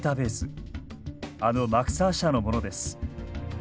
あのマクサー社のものです。